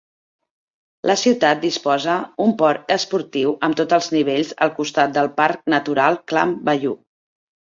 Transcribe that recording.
La ciutat disposa un port esportiu amb tots els serveis al costat del Parc natural Clam Bayou.